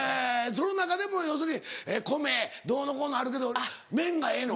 その中でも要するに米どうのこうのあるけど麺がええの？